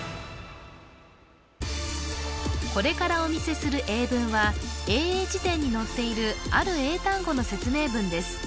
これからお見せする英文は英英辞典に載っているある英単語の説明文です